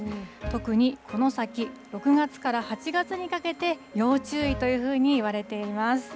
特にこの先、６月から８月にかけて要注意というふうにいわれています。